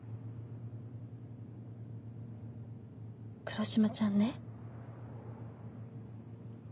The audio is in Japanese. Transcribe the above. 黒島ちゃんね。